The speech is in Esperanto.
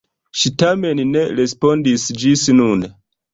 Ŝi tamen ne respondis ĝis nun.